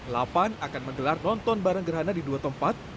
lapan akan menggelar nonton bareng gerhana di dua tempat